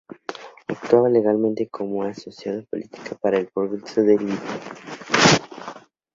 Actuaba legalmente como Asociación Política para el Progreso de Libia.